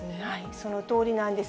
そのとおりなんです。